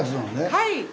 はい。